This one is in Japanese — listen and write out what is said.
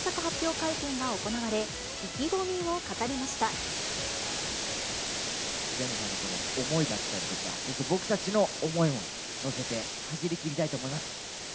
会見ジャニーさんのこの思いだったりとか、そして僕たちの思いも乗せて、走りきりたいと思います。